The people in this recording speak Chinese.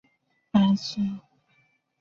大黑屋光太夫在以伊势国白子。